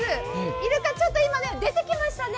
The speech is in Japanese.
イルカちょっと今、出てきましたね。